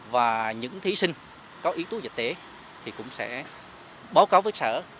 và những thí sinh có yếu tố dịch tễ thì cũng sẽ báo cáo với sở